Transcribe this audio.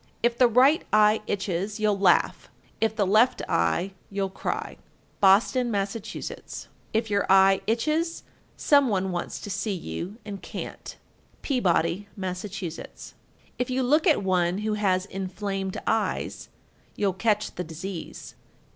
If the right eye itches, you'll laugh; if the left eye, you'll cry. Boston, Mass. 1350. If your eye itches, some one wants to see you and can't. Peabody, Mass. 1351. If you look at one who has inflamed eyes, you'll catch the disease.